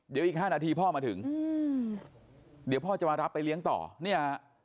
เดี๋ยวอีก๕นาทีพ่อมาถึงเดี๋ยวพ่อจะมารับไปเลี้ยงต่อเนี่ย